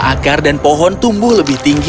akar dan pohon tumbuh lebih tinggi